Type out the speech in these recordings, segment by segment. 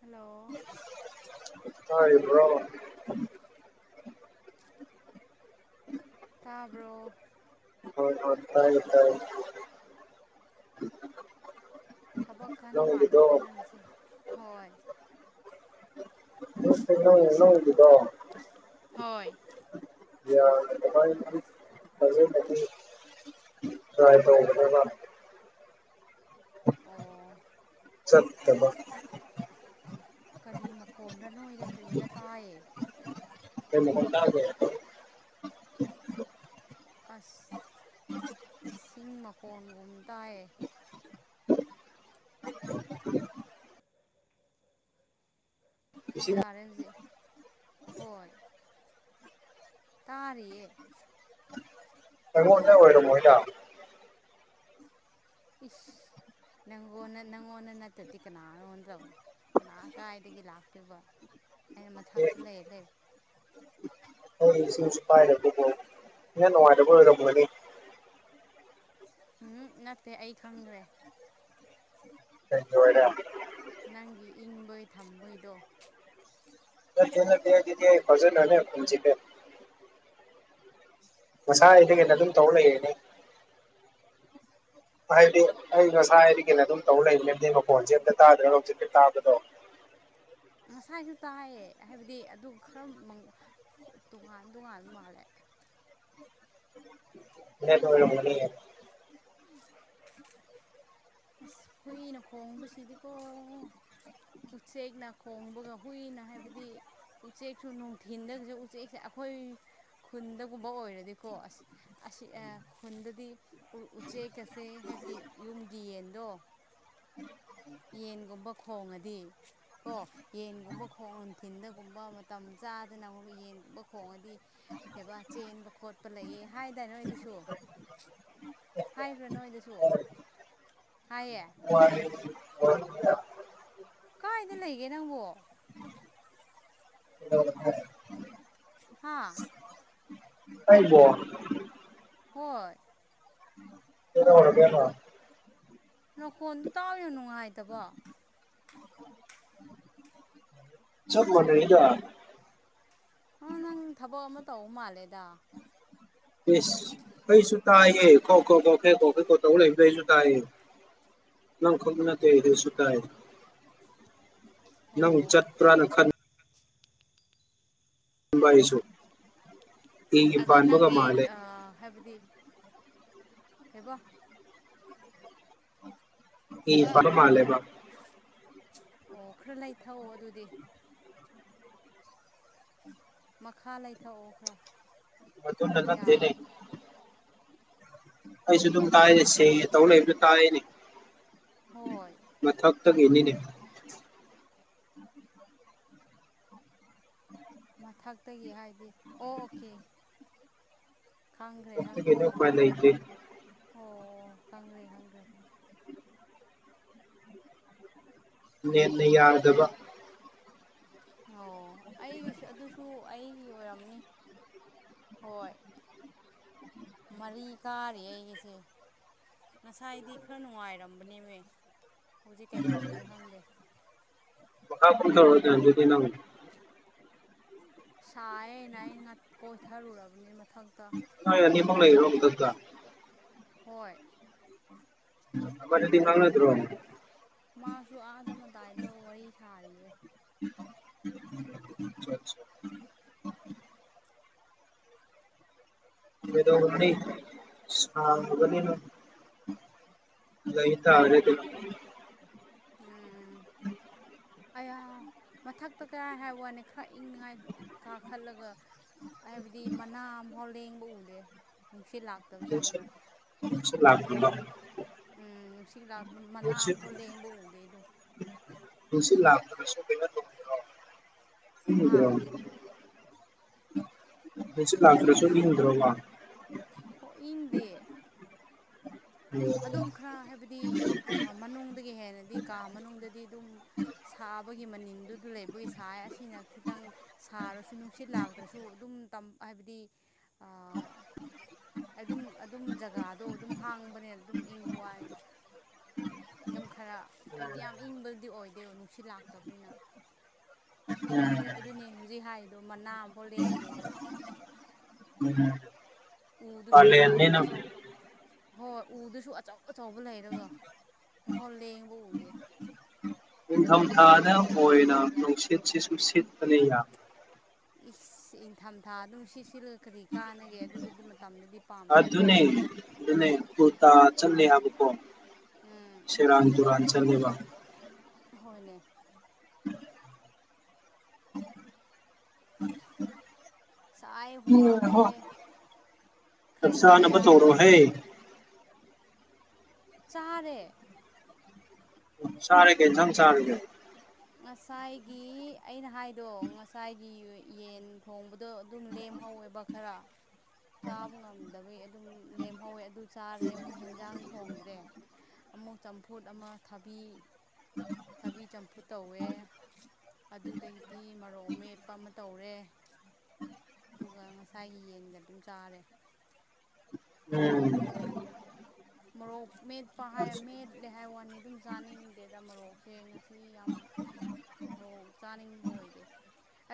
[inaudible] hello ꯇꯥꯔꯤꯕ꯭ꯔꯣ [unintelligible] [inaudible] ꯇꯥꯕ꯭ꯔꯣ ꯍꯣꯏ ꯍꯣꯏ ꯇꯥꯏꯌꯦ ꯇꯥꯏꯌꯦ ꯊꯕꯛꯀꯟ ꯅꯪꯒꯤꯗꯣ ꯃꯥꯜꯂꯦꯗ ꯅꯪꯒꯤꯁꯦ ꯍꯣꯏ [unintelligible] ꯍꯣꯏ [inaudible] [unintelligible] [inaudible] ꯑꯣ ꯆꯠ ꯇꯕ ꯀꯔꯤ ꯃꯈꯣꯟꯔ ꯅꯣꯏꯔ ꯀꯔꯤꯔ ꯇꯥꯏꯌꯦ [unintelligible] [inaudible] ꯑꯁ ꯏꯁꯤꯡ ꯃꯈꯣꯟꯒꯨꯝ ꯇꯥꯏꯌꯦ [unintelligible] ꯑꯣ ꯏꯁꯤꯡ ꯌꯥꯔꯦ ꯍꯧꯖꯤꯛ ꯍꯣꯏ ꯇꯥꯔꯤꯌꯦ ꯑꯩꯉꯣꯟꯗꯩ ꯑꯣꯏꯔꯝ ꯃꯣꯏꯗ ꯏꯁ ꯅꯪꯉꯣꯟꯗ ꯅꯪꯉꯣꯟꯗ ꯅꯠꯇ꯭ꯔꯗꯤ ꯀꯅꯥ ꯉꯣꯟꯗ ꯀꯅꯥ ꯀꯥꯏꯗꯒꯤ ꯂꯥꯛꯇꯣꯏꯕ ꯑꯩꯅ ꯑꯦ ꯃꯊꯛꯇ ꯂꯩꯕ [unintelligible] [unintelligible] ꯅꯨꯡꯉꯥꯏꯇꯕ ꯑꯣꯏꯔꯝꯒꯅꯤ ꯎꯝ ꯅꯠꯇꯦ ꯑꯩ ꯈꯪꯈ꯭ꯔꯦ [unintelligible] ꯅꯪꯒꯤ ꯏꯪꯕꯩ ꯊꯝꯕꯩꯗꯣ ꯅꯠꯇꯦ ꯅꯠꯇꯦ ꯑꯩꯒꯤꯗꯤ [unintelligible] ꯉꯁꯥ ꯍꯥꯏꯗꯤꯟꯅ ꯈꯪ ꯑꯗꯨꯝ ꯇꯧꯔꯛꯑꯌꯦꯅꯦ ꯍꯥꯏꯗꯤ ꯑꯩ ꯉꯁꯥꯏ ꯍꯥꯏꯗꯤ ꯀꯩꯅꯣ ꯑꯗꯨꯝ ꯇꯧ ꯂꯩꯗꯤ ꯃꯈꯣꯟꯁꯦ ꯑꯇ ꯇꯥꯗ꯭ꯔꯦ ꯂꯧꯆꯦꯄ ꯇꯥꯕꯗꯣ ꯉꯁꯥꯏꯁꯨ ꯇꯥꯏꯌꯦ ꯍꯥꯏꯕꯗꯤ ꯑꯗꯨ ꯈꯔ ꯇꯣꯉꯥꯟ ꯇꯣꯉꯥꯟꯕ ꯃꯥꯜꯂꯦ ꯏ ꯇ ꯑꯌꯥ ꯑꯣꯏꯔ ꯃꯅꯤꯦ ꯑꯁ ꯍꯨꯏꯅ ꯈꯣꯡ ꯁꯤꯗꯤꯀꯣ ꯎ ꯎꯆ ꯎꯆꯦꯛ ꯅꯅꯥꯀ ꯈꯣꯡꯕꯒ ꯍꯨꯏꯅ ꯍꯥꯏꯕꯗꯤ ꯎꯆꯦꯛꯁꯨ ꯅꯨꯡꯊꯤꯟꯗꯒꯁꯨ ꯎꯆꯦꯛꯁꯦ ꯑꯩꯈꯣꯏ ꯈꯨꯟꯗꯒꯨꯝꯕ ꯑꯣꯏꯔꯗꯤꯀꯣ ꯑ ꯑꯁꯤ ꯈꯨꯟꯗꯗꯤ ꯎꯆꯦꯛꯀꯁꯦ ꯍꯥꯏꯕꯗꯤ ꯌꯨꯝꯒꯤ ꯌꯦꯟꯗꯣ ꯌꯦꯟꯒꯨꯝꯕ ꯈꯣꯡꯉꯗꯤ ꯀꯣ ꯌꯦꯟꯒꯨꯝꯕ ꯈꯣꯡ ꯅꯨꯡꯊꯤꯟꯗꯒꯨꯝꯕ ꯃꯇꯝ ꯆꯥꯗꯅ ꯑꯃꯨꯛ ꯌꯦꯟꯒꯨꯝꯕ ꯈꯣꯡꯉꯗꯤ ꯀ ꯀꯩꯕ ꯆꯦꯟꯕ ꯈꯣꯠꯄ ꯂꯩꯌꯦ ꯍꯥꯏꯇꯥꯔ ꯅꯣꯏꯗꯨꯁꯨ ꯍꯥꯏꯕ꯭ꯔꯥ ꯅꯣꯏꯗꯁꯨ ꯍꯥꯏꯌꯦ ꯋꯥꯔꯦ ꯀꯥꯏꯗ ꯂꯩꯒꯦ ꯅꯪꯕꯣ ꯍꯥꯥ ꯑꯩꯕꯣ ꯍꯣꯏꯣꯏ ꯍꯔꯒꯅ ꯅꯈꯣꯟꯗꯨ ꯇꯥꯎꯌꯨ ꯅꯨꯡꯉꯥꯏꯇꯕꯣ ꯆꯕ ꯃꯅꯗ ꯅꯪ ꯊꯕꯛ ꯑꯃ ꯇꯧꯕ ꯃꯥꯜꯂꯦꯗ ꯀꯩꯁꯨ ꯊꯥꯏꯌꯦ ꯈꯣ ꯈꯣ ꯈꯣ ꯀꯦꯣ ꯀꯩꯣ ꯇꯧ ꯂꯩ ꯀꯩꯁꯨ ꯊꯥꯏ ꯂꯈꯅꯇꯁꯨ ꯇꯥꯏ ꯅꯪ ꯎ ꯎꯆ ꯑꯣ ꯆꯠꯄꯔꯥ ꯅ ꯈꯟ ꯂꯕꯥꯥꯏꯁꯨ ꯑꯗꯨ ꯅꯪꯒꯤ ꯍꯥꯏꯕꯗꯤ ꯀꯕꯣ ꯏ ꯈꯔ ꯄꯥꯟꯕ ꯑꯗꯨꯗꯤ ꯃꯥꯜꯂꯦꯕ ꯈꯔ ꯑꯣ ꯈꯔ ꯂꯩ ꯊꯥꯎꯑꯣ ꯑꯗꯨꯗꯤ ꯃꯈꯥ ꯂꯩꯊꯛꯑꯣ ꯈ꯭ꯔ ꯃ ꯊꯨ ꯂ ꯊ ꯂꯩ ꯑꯩꯁꯨ ꯑꯗꯨꯝ ꯇꯥꯏꯁ ꯁꯦꯡꯉꯦ ꯇꯧꯅ ꯑꯩꯕꯁꯨ ꯇꯥꯏꯅꯤ ꯍꯣꯏ ꯃꯊꯛꯇ ꯒꯤꯅꯤꯅꯦ ꯃꯊꯛꯇꯒꯤ ꯍꯥꯏꯗꯤ ꯑꯣ ꯑꯣꯀꯦ ꯈꯪꯈ꯭ꯔꯦ ꯐ ꯈꯪꯈ꯭ꯔꯦ ꯀꯅ ꯐꯥꯏꯅ ꯏꯇꯦ ꯑꯣ ꯈꯪꯉꯦ ꯈꯪꯈꯦ ꯅꯦꯅ ꯌꯥꯗꯕ ꯑꯣ ꯑꯩꯒꯤꯁꯨ ꯑꯗꯨꯁꯨ ꯑꯩꯒꯤ ꯑꯣꯏꯔꯝꯅꯤ ꯍꯣꯏ ꯃꯔꯤ ꯀꯥꯔꯤ ꯑꯩꯒꯤꯁꯦ ꯉꯁꯥꯏꯗꯤ ꯈꯔ ꯅꯨꯡꯉꯥꯏꯔꯝꯕꯅꯦꯕ ꯍꯧꯖꯤꯛ ꯀꯩꯗꯧꯔꯒꯦ ꯈꯪꯗꯦ ꯀꯥ ꯄꯨ ꯊꯖꯗꯅ ꯁꯥꯏꯅ ꯑꯩ ꯀꯣꯏꯊꯔꯨꯔꯕꯅꯤ ꯃꯊꯛꯇ ꯍ ꯑꯅꯤ ꯄ ꯂꯩ ꯆ ꯍꯣꯏ ꯑꯗꯤ ꯐꯪꯅꯗ꯭ꯔꯣ ꯃꯥꯁꯨ ꯑꯥꯗ ꯃꯇꯗꯥꯏꯗ ꯋꯥꯔꯤ ꯁꯥꯔꯤꯌꯦ [unintelligible] ꯃꯗꯣ ꯋꯥꯅꯤ ꯁꯥꯡꯒꯅꯤꯅ ꯉꯏ ꯇ ꯑꯔꯦ ꯎꯝ ꯑꯌꯥꯥꯎ ꯃꯊꯛꯇ ꯀꯥꯏ ꯍꯥꯏ ꯋꯥꯅꯤ ꯈꯔ ꯏꯪꯉꯥꯏ ꯀꯥꯈꯠꯂꯒ ꯍꯥꯏꯕꯗꯤ ꯃꯅꯥꯝꯐꯥꯎ ꯂꯦꯡꯕ ꯎꯗꯦ ꯅꯨꯡꯁꯤꯠ ꯂꯥꯛꯇꯕ ꯆꯥꯡꯗꯣ ꯂꯥꯛ ꯎꯝꯅꯨꯡꯁꯤ ꯂꯥꯛ ꯃꯅꯥꯑꯝꯕꯣ ꯂꯩ ꯌꯦꯕ ꯎꯗꯗꯣ ꯍꯥ [unintelligible] ꯃꯁꯤ ꯂꯥꯛꯀ꯭ꯔꯁꯨ ꯏꯟꯗ꯭ꯔꯕ ꯏꯗꯤ ꯑꯗꯨꯝ ꯈꯔ ꯍꯥꯏꯕꯗꯤ ꯃꯅꯨꯡꯗ ꯑꯗꯨꯒꯤ ꯍꯦꯟꯅꯗꯤ ꯀꯥ ꯃꯅꯨꯡꯗꯗꯤ ꯑꯗꯨꯝ ꯁꯥꯕꯒꯤ ꯃꯅꯤꯟꯗꯨ ꯑꯗꯨ ꯂꯩꯕꯒꯤ ꯁꯥꯏ ꯑꯁꯤꯅ ꯈꯤꯇꯪ ꯁꯥꯔꯁꯨ ꯅꯨꯡꯁꯤꯠ ꯂꯥꯛꯇ꯭ꯔꯁꯨ ꯑꯗꯨꯝ ꯍꯥꯏꯕꯗꯤ [unintelligible] ꯑꯗꯨꯝ ꯑꯗꯨꯝ ꯖꯒꯥꯗꯣ ꯑꯗꯨꯝ ꯍꯥꯡꯕꯅꯦ ꯑꯗꯨꯝ ꯏꯪꯕ ꯋꯥꯅꯤꯗ ꯑꯗꯨꯝ ꯈꯔ ꯍꯥꯏꯕꯗꯤ ꯌꯥꯝ ꯏꯪꯕꯗꯤ ꯑꯣꯏꯗꯣꯏꯕꯣ ꯅꯨꯡꯁꯤꯠ ꯂꯥꯛꯇꯕꯅꯤꯅ ꯑꯩꯅꯅꯦ ꯑꯗꯨꯅꯦ ꯍꯧꯖꯤꯛ ꯍꯥꯏꯔꯤꯗꯣ ꯃꯅꯥ ꯑꯃꯐꯥꯎ ꯂꯌꯦꯗꯦꯗꯣ ꯎꯝ ꯎꯗꯨꯁꯨ ꯑꯆꯧ ꯑꯆꯧ ꯍꯣꯏ ꯎꯗꯨꯁꯨ ꯑꯆꯧ ꯑꯆꯧꯕ ꯂꯩꯔꯒ ꯐꯂꯦꯕꯧꯗ ꯅꯤꯡꯊꯝꯊꯥꯗ ꯑꯣꯏꯅ ꯅꯨꯡꯁꯤꯠꯁꯤꯁꯨ ꯁꯤꯠꯄꯅ ꯌꯥꯏ ꯏꯪꯊꯝꯊꯥ ꯑꯗꯨꯝ ꯁꯤ ꯁꯤꯜꯂꯒ ꯀꯔꯤ ꯀꯥꯟꯅꯒꯦ ꯑꯗꯨꯗꯗꯤ ꯃꯇꯝꯗꯗꯤ ꯄꯥꯝꯗꯦꯀꯣ ꯑꯗꯨꯅꯦ ꯑꯗꯨꯅꯦ ꯀꯨꯔꯇꯥ ꯆꯂꯦ ꯍꯥꯏꯕꯀꯣ ꯎꯝ ꯁꯤꯔꯥꯟ ꯇꯨꯔꯥꯟ ꯆ ꯂꯩꯦꯕ ꯍꯣꯏꯅꯦ ꯎꯝ ꯁꯥꯏꯦ ꯎꯝ ꯍꯨꯃꯥꯡ ꯍꯣꯏ ꯊꯣꯛꯑꯦ ꯆꯞ ꯈꯔ ꯆꯥꯅꯕ ꯏꯪꯒꯦꯔꯥ ꯍꯥꯏꯔꯒ ꯇꯧꯔꯣꯍꯦ ꯆꯦ ꯁꯔꯦ ꯀꯦ ꯁꯪ ꯁꯥꯔꯦꯒꯦ ꯉꯁꯥꯏꯒꯤ ꯑꯩꯅ ꯍꯥꯏꯗꯣ ꯉꯁꯥꯏꯒꯤ ꯌꯦꯟ ꯊꯣꯡꯕꯗ ꯑꯗꯣ ꯑꯗꯨꯝ ꯂꯦꯝꯍꯧꯋꯦꯕ ꯈꯔ ꯆꯥꯕ ꯉꯝꯗꯕꯩ ꯑꯗꯨꯝ ꯂꯦꯝꯍꯧꯋꯦ ꯑꯗꯨ ꯆꯥꯔꯦ ꯑꯃꯨꯛ ꯍꯦꯟꯖꯥꯡ ꯊꯣꯡꯗ꯭ꯔꯦ ꯑꯃꯨꯛ ꯆꯝꯐꯨꯠ ꯑꯃ ꯊꯕꯤ ꯊꯕꯤ ꯆꯝꯨ ꯐꯨ ꯇꯧꯋꯦ ꯑꯗꯨꯗꯒꯤꯗꯤ ꯃꯣꯔꯣꯛ ꯃꯦꯠꯄ ꯑꯃ ꯇꯧꯔꯦ ꯑꯗꯨꯒ ꯉꯁꯥꯏꯒꯤ ꯌꯦꯟꯒ ꯑꯗꯨꯝ ꯆꯥꯔꯦ ꯎꯝ ꯃꯣꯔꯣꯛ ꯃꯦꯠꯄ ꯍꯥꯏ ꯑꯁ ꯃꯦꯠꯂꯦ ꯍꯥꯏ ꯋꯥꯅꯤ ꯑꯗꯨꯝ ꯆꯥꯅꯤꯡꯗꯦꯗ ꯃꯣꯔꯣꯛꯁꯦ ꯉꯁꯤ ꯁꯤ ꯌꯥꯝ ꯃꯑꯣꯡ ꯆꯥꯅꯤꯡꯕ ꯑꯣꯏꯗꯦ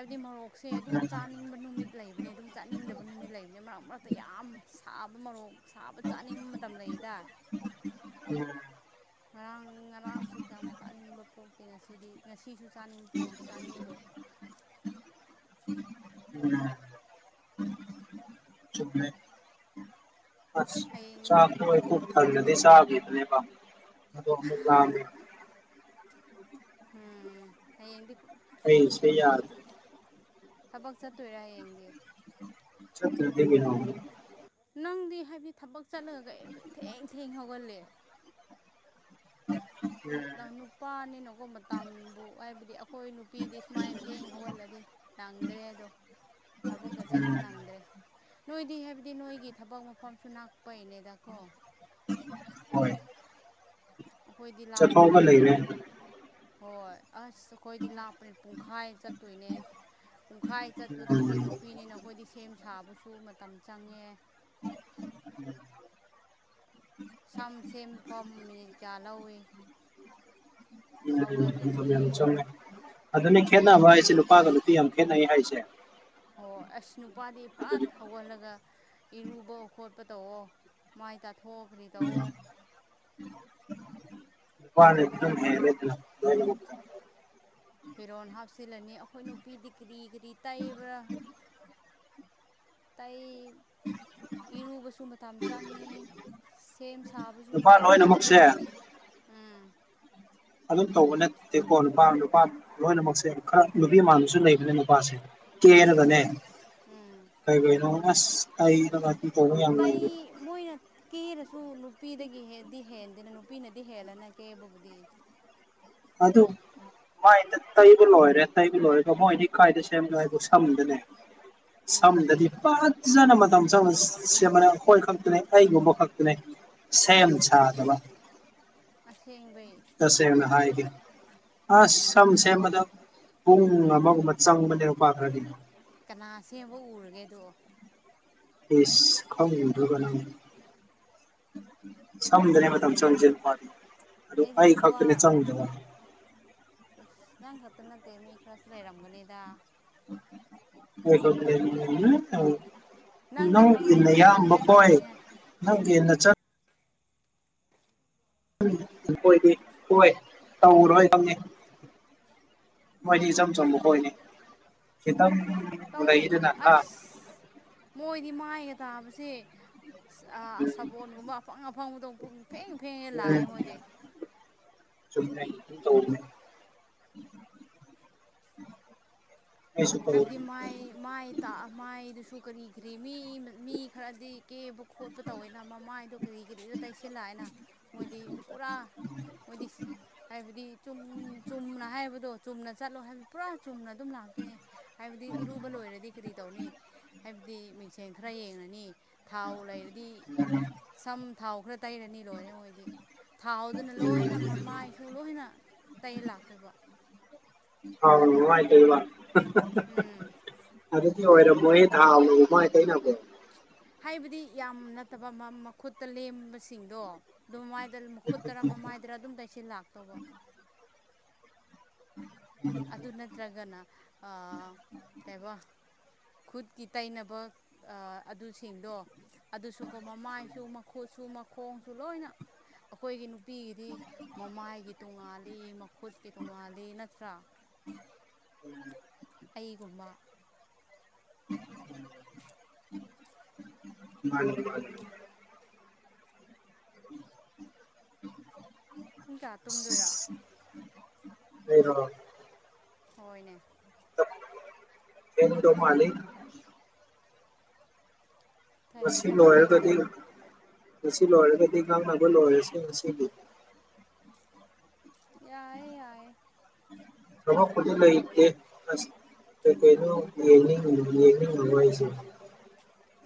ꯍꯥꯏꯗꯤ ꯃꯣꯔꯣꯛꯁꯦ ꯑꯗꯨꯝ ꯆꯥꯅꯤꯡꯕ ꯅꯨꯃꯤꯠ ꯂꯩꯕꯅꯦ ꯑꯗꯨꯝ ꯆꯥꯅꯤꯡꯗꯕ ꯅꯨꯃꯤꯠ ꯂꯩꯕꯅꯤ ꯃꯔꯛ ꯃꯔꯛ ꯇ ꯌꯥꯝ ꯁꯥꯕ ꯃꯔꯣꯛ ꯁꯥꯕ ꯆꯥꯅꯤꯡꯕ ꯃꯇꯝꯗ ꯎꯝ ꯉꯔꯥꯡ ꯉꯔꯥꯡꯁꯨ ꯀꯌꯥꯝ ꯆꯥꯅꯤꯡꯕ ꯄꯣꯛꯇꯦ ꯉꯁꯤꯗꯤ ꯉꯁꯤꯁꯨ ꯆꯥꯅꯤꯡ ꯄꯣꯇꯨ ꯆꯥꯅꯤꯡꯗꯦ ꯎꯝ ꯆꯃꯦ ꯑ ꯍꯌꯦꯡ ꯆꯥꯣꯏ ꯈ ꯊꯗꯤ ꯆꯥꯕꯗꯅꯦ ꯄ ꯑꯅꯤ ꯎꯝꯗꯤ ꯑꯩ ꯁꯤꯦ ꯌꯥꯗ ꯊꯕꯥꯛ ꯆꯥꯠꯇꯣꯏꯔ ꯍꯥꯏꯡꯒ ꯆꯠꯇꯗꯤ ꯅꯪꯗꯤ ꯍꯥꯏꯕꯗꯤ ꯊꯕꯛ ꯆꯠꯂꯒ ꯀ ꯊꯦꯡ ꯊꯦꯡ ꯍꯧꯒꯜꯂꯦ ꯅꯨꯄꯥꯅꯤꯅꯀꯣ ꯃꯇꯝꯕꯨ ꯍꯥꯏꯕꯗꯤ ꯑꯩꯈꯣꯏ ꯅꯨꯄꯤꯗꯤ ꯁꯨꯃꯥꯏꯅ ꯊꯦꯡ ꯍꯧꯒꯠꯂꯗꯤ ꯅꯪꯗ꯭ꯔꯦ ꯍꯥꯏꯗꯣ ꯊꯕꯛꯀ ꯎꯝ ꯆꯠꯄ ꯅꯪꯗ꯭ꯔꯦ ꯅꯣꯏꯗꯤ ꯍꯥꯏꯕꯗꯤ ꯅꯣꯏꯒꯤ ꯊꯕꯛ ꯃꯐꯝꯁꯨ ꯉꯥꯛꯄꯩꯅꯦꯗꯀꯣ ꯍꯣꯏ ꯑꯩꯈꯣꯏꯗꯤ ꯆꯠꯊꯣꯛꯒ ꯂꯥꯞꯄꯅꯤꯅ ꯂꯩꯅꯦ ꯍꯣꯏ ꯑꯁ ꯁꯈꯣꯏꯂ ꯄꯨꯡꯈꯥꯏ ꯆ ꯇꯣꯏꯅꯦ ꯄꯨꯡꯈꯥꯏ ꯆꯠꯄꯗꯣ ꯎꯝ ꯑꯩꯈꯣꯏ ꯎꯝ ꯅꯨꯄꯤꯅꯤꯅ ꯑꯩꯈꯣꯏꯗꯤ ꯁꯦꯝ ꯁꯥꯕ ꯨ ꯃꯇꯝ ꯆꯪꯉꯦ ꯎꯝ ꯁꯝ ꯁꯦꯝꯐꯝ ꯃꯤꯅꯤꯠ ꯀꯌꯥ ꯂꯧꯏꯤ ꯎꯝ ꯌꯥꯝ ꯆꯨꯝꯃꯦ ꯑꯗꯨꯅ ꯈꯦꯠꯅꯕ ꯍꯥꯏꯁꯦ ꯅꯨꯄꯥꯒ ꯅꯨꯄꯤ ꯌꯥꯝ ꯈꯦꯠꯅꯩ ꯍꯥꯏꯁꯦ ꯍꯣ ꯑꯁ ꯅꯨꯄꯥꯗꯤ ꯄꯨꯔꯥꯠ ꯑꯗꯨꯅꯤ ꯍꯧꯒꯠꯂꯒ ꯏꯔꯨꯕ ꯈꯣꯠꯄ ꯇꯧꯑꯣ ꯃꯥꯏ ꯇ ꯊꯣꯛꯈ꯭ꯔꯤ ꯇꯑꯣ ꯋꯥꯅꯦꯠꯇꯝ ꯐꯤꯔꯣꯟꯜ ꯍꯥꯞꯆꯤꯜꯂꯅꯤ ꯑꯩꯈꯣꯏ ꯅꯨꯄꯤꯗꯤ ꯀꯔꯤ ꯀꯔꯤ ꯇꯩꯕ꯭ꯔꯥ ꯇ ꯏꯔꯨꯕꯁꯨ ꯃꯇꯝ ꯆꯪꯉꯤ ꯁꯦꯝ ꯁꯥꯕꯁꯨ ꯅꯨꯄꯥ ꯃꯇꯝ ꯆꯪꯉꯤ ꯂꯣꯏꯅꯃꯛꯁꯦ ꯎꯝ ꯇꯧꯕ ꯅꯠꯇꯦꯀꯣ ꯅꯨꯄꯥ ꯅꯨꯄꯥ ꯂꯣꯏꯅꯃꯛꯁꯦ ꯈꯔ ꯅꯨꯄꯤ ꯃꯅꯁꯨ ꯂꯩ ꯑꯗꯨ ꯅꯨꯄꯥꯁꯦ ꯎꯝ ꯀꯦꯜꯔꯒꯅꯦ ꯎꯝ ꯀꯩ ꯀꯩꯅꯣ ꯑꯁ ꯑꯩꯔꯒ ꯇ ꯃꯣꯏꯅ ꯀꯤ ꯁꯨ ꯅꯨꯄꯤꯗꯒꯤꯗꯤ ꯍꯦꯟꯗꯦꯅ ꯅꯨꯄꯤꯅꯗꯤ ꯍꯦꯜꯂꯅ ꯀꯦꯕꯨꯕꯨꯗꯤ ꯑꯗꯨ ꯃꯥꯏꯗ ꯇꯩꯕ ꯂꯣꯏꯔꯦ ꯇꯩꯕ ꯂꯣꯏꯔꯦꯒ ꯃꯣꯏꯗꯤ ꯀꯥꯏꯗ ꯁꯦꯝꯅꯣ ꯍꯥꯏꯕ ꯁꯝꯗꯅꯦ ꯎꯝ ꯁꯝꯗꯗꯤ ꯐꯖꯅ ꯃꯇꯝ ꯁꯪꯅ ꯁꯦꯝꯃꯅ ꯑꯩꯈꯣꯏ ꯈꯛꯇꯅꯦ ꯑꯩꯒꯨꯝꯕ ꯈꯛꯇꯅꯦ ꯁꯦꯝ ꯁꯥꯗꯕ ꯑꯁ ꯇꯁꯦꯅ ꯍꯥꯏꯒ ꯑ ꯎꯝ ꯁꯝꯁꯦ ꯃꯗ ꯄꯨꯡ ꯑꯃꯒꯨꯝꯕ ꯆꯪꯕꯅꯦ ꯂꯨꯄꯥ ꯈꯔꯒꯤꯅ ꯀꯅꯥ ꯁꯦꯝꯕ ꯎꯔꯒꯦꯗꯣ ꯐꯁ ꯀ ꯅꯨꯗꯒꯅ ꯁꯝꯗꯅꯅꯦ ꯃꯇꯝ ꯆꯪꯁꯅꯄꯥꯅꯤ ꯑꯗꯨ ꯑꯩꯗꯤ ꯑꯩ ꯈꯛꯇꯅꯦ ꯆꯪꯗꯕ ꯏꯁꯁ ꯅꯪ ꯈꯛꯇ ꯅꯠꯇꯦ ꯃꯤ ꯈꯔꯁꯨ ꯂꯩꯔꯝꯒꯅꯤꯗ [unintelligible] [unintelligible] ꯅꯪꯅ ꯈꯪꯕ ꯅꯪꯒꯤꯅ ꯃꯅꯨꯡꯗꯗꯤ ꯏꯌꯥꯝꯕ ꯅꯪ ꯀꯣꯏ ꯈꯛꯇꯅꯦ ꯅꯪꯒꯤꯟꯅ ꯆꯠ ꯣꯏ ꯀꯣꯏ ꯇꯨ ꯔꯣꯣꯏ ꯇꯝꯅꯤ ꯃꯣꯏꯅꯤ ꯏꯆꯝ ꯆꯝꯕ ꯈꯣꯣꯏꯅꯤ ꯈꯤꯇꯪ ꯇꯧ ꯂꯩꯗꯅ ꯍꯥ ꯑꯁ ꯃꯣꯏꯗꯤ ꯃꯥꯏꯒ ꯇꯥꯕꯁꯦ ꯎꯝ ꯁꯥꯕꯣꯣꯟꯒꯨꯝꯕ ꯑꯐꯪ ꯑꯐꯪꯕꯗꯣ ꯐꯦꯡ ꯐꯦꯡꯉꯦ ꯂꯥꯛꯑꯦ ꯎꯝ ꯃꯣꯏꯗꯤ ꯆꯨꯝꯃꯦ ꯇꯧꯃꯦ ꯍꯥꯏꯕꯗꯤ ꯃꯥꯏ ꯃꯥꯏ ꯃꯥꯏꯗꯨꯁꯨ ꯀꯔꯤꯈ꯭ꯔꯤꯕ ꯃꯤ ꯈꯔꯗꯤ ꯀꯦꯕ ꯈꯣꯠꯄ ꯇꯧꯋꯦꯅ ꯃꯃꯥꯏꯗꯣ ꯀꯔꯤ ꯀꯔꯤꯒ ꯇꯩꯁꯤꯜꯂꯛꯑꯦꯅ ꯃꯣꯏꯗꯤ ꯄꯨꯔꯥ ꯃꯣꯏꯗꯤ ꯍꯥꯏꯕꯗꯤ ꯆꯨꯝꯅ ꯍꯥꯏꯕꯗꯣ ꯆꯨꯝꯅ ꯆꯠꯂꯣ ꯍꯥꯏꯕ ꯄꯨꯔꯥ ꯆꯨꯝꯅ ꯑꯗꯨꯝ ꯂꯥꯛꯇꯣꯏꯑ ꯍꯥꯏꯕꯗꯤ ꯏꯔꯨꯕ ꯂꯣꯏꯔꯗꯤ ꯀꯔꯤ ꯇꯧꯅꯤ ꯍꯥꯏꯕꯗꯤ ꯃꯤꯡꯁꯦꯟ ꯈꯔ ꯌꯦꯡꯉꯅꯤ ꯊꯥꯎ ꯂꯩꯔꯗꯤ ꯎꯝ ꯁꯝ ꯊꯥꯎ ꯈꯔ ꯇꯩꯔꯅꯤ ꯂꯣꯏꯔꯦ ꯃꯣꯏꯗꯤ ꯊꯥꯎꯗꯨꯅ ꯎꯝ ꯂꯣꯏꯅ ꯃꯃꯥꯏꯁꯨ ꯂꯣꯏꯅ ꯇꯩ ꯂꯥꯛꯇꯣꯏꯕ ꯍꯥꯎ ꯃꯏꯗ ꯋꯥ ꯎꯝ ꯑꯗꯨꯗꯤ ꯑꯣꯏꯔꯝꯃꯣꯏ ꯍꯦ ꯊꯥꯂ ꯎ ꯃꯥꯏ ꯇꯩꯅꯕꯣ ꯍꯥꯏꯕꯗꯤ ꯌꯥꯝ ꯅꯠꯇꯕ ꯃꯈꯨꯠꯇ ꯂꯦꯝꯕꯁꯤꯡꯗꯣ ꯑꯗꯨꯃꯥꯏ ꯗ ꯃꯈꯨꯠꯠꯇꯔꯥ ꯃꯃꯥꯏꯗꯔꯥ ꯑꯗꯨꯝꯇ ꯑꯩꯁꯦ ꯂꯥꯛꯇꯧꯕ ꯎꯝ ꯑꯗꯨ ꯅꯠꯇ꯭ꯔꯒꯅ ꯀꯩ ꯈꯨꯠꯀꯤ ꯇꯩꯅꯕ ꯑꯗꯨꯁꯤꯡꯗꯣ ꯑꯗꯨꯁꯨꯀꯣ ꯃꯃꯥꯏꯁꯨ ꯃꯈꯨꯠꯁꯨ ꯃꯈꯣꯡꯁꯨ ꯂꯣꯏꯅ ꯑꯩꯈꯣꯏꯒꯤ ꯅꯨꯄꯤꯒꯤꯗꯤ ꯃꯃꯥꯏꯒꯤ ꯇꯣꯡꯉꯥꯜꯂꯤ ꯃꯈꯨꯠꯀꯤ ꯇꯣꯡꯉꯥꯜꯂꯤ ꯅꯠꯇ꯭ꯔꯥ ꯎꯝ ꯑꯩꯒꯨꯝꯕ ꯃꯥꯅꯤ [unintelligible] ꯄꯨꯡ ꯀꯌꯥ ꯇꯨꯝꯗꯣꯏꯔꯥ ꯂꯩꯔꯣ ꯍꯣꯏꯅꯦ ꯍꯗꯣ ꯃꯥꯂꯤ ꯀꯔꯤ ꯃꯁꯤꯁꯤ ꯊꯕꯛ ꯂꯔ ꯀꯗꯤ ꯂꯩꯕ꯭ꯔꯣ ꯉꯁꯤ ꯂꯣꯏꯔꯦꯜꯒꯗꯤ ꯀ ꯅꯒ ꯂꯣꯏꯔꯦꯁꯤ ꯉꯁꯤ ꯌꯥꯏꯌꯦ ꯌꯥꯏꯌꯦ ꯊꯃꯣ ꯈꯨꯗꯤ ꯂꯩ ꯀꯦ ꯀꯩꯅꯩꯅ ꯌꯦꯅꯤ ꯌꯦꯅꯤꯡ ꯉꯅꯨꯡꯃꯥꯏꯁ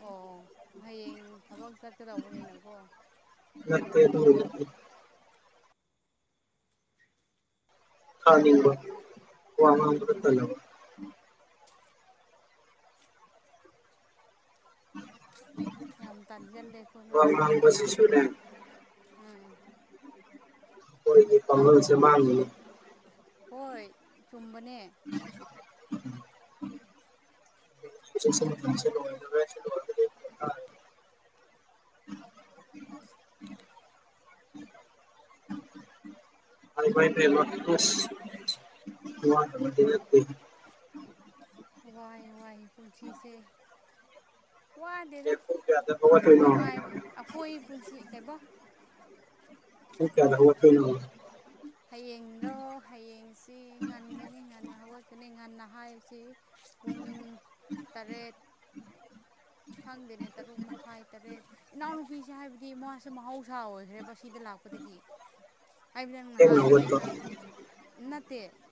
ꯑꯣ ꯍꯌꯦꯡ ꯊꯕꯛ ꯆꯠꯀꯗꯧꯕꯅꯤꯅꯀꯣ ꯃꯠꯇ ꯈꯕ ꯋꯥ ꯊ ꯎꯝ ꯌꯥꯝ ꯇꯥꯟꯒ ꯂꯩꯦꯀꯣ ꯅꯩꯁꯦ ꯉꯥꯡꯕꯁꯤꯁꯨꯅꯦ ꯎꯝ ꯣꯏꯒꯤ ꯀꯪꯒꯜꯁꯦ ꯃꯥꯥꯡꯥꯡ ꯍꯣꯏ ꯆꯨꯝꯕꯅꯦ ꯎꯝ ꯎꯝ [unintelligible] [unintelligible] [unintelligible] [unintelligible] [unintelligible] ꯋꯥꯏ ꯋꯥꯏ ꯄꯨꯟꯁꯤꯁꯦ ꯋꯥꯗꯦꯗ ꯑꯦ ꯄꯨꯡ ꯀꯌꯥꯗ ꯁꯨꯝ ꯍꯧꯒꯠꯇꯣꯏꯅꯣ ꯅꯨꯡꯉꯥꯏꯕ ꯑꯩꯈꯣꯏ ꯄꯨꯟꯁꯤ ꯀꯩꯕꯣ ꯍ ꯀꯗ ꯍꯛꯇꯣꯏꯅ ꯍꯌꯦꯡꯔꯣ ꯍꯌꯦꯡꯁꯤ ꯉꯟꯒꯅꯤ ꯉꯟꯅ ꯍꯧꯒꯠꯀꯅꯤ ꯉꯟꯅ ꯍꯥꯏꯁꯤ ꯄꯨꯡ ꯇꯔꯦꯠ ꯈꯪꯗꯦꯅꯦ ꯇꯔꯨꯛ ꯃꯈꯥꯏ ꯇꯔꯦꯠ ꯏꯅꯥꯎꯅꯨꯄꯤꯁꯦ ꯍꯥꯏꯕꯗꯤ ꯃꯥꯁꯦ ꯃꯍ ꯅꯨꯡꯁꯥ ꯑꯣꯏꯈ꯭ꯔꯦꯕ ꯁꯤꯗ ꯂꯥꯛꯄꯗꯒꯤ ꯊꯦꯡꯅ ꯅꯍꯥꯟꯗ ꯑ ꯍꯧꯒꯠꯄ ꯑꯣꯏꯅ ꯊꯕꯛ ꯅꯠꯇꯦ